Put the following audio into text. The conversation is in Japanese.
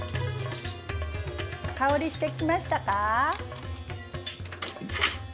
香りしてきましたか？